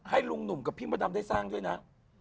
ให้ลุงหนุ่มกับพี่มดดำได้สร้างด้วยนะ